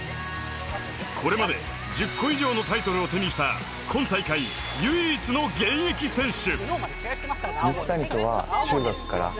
これまで１０個以上のタイトルを手にした今大会唯一の現役選手。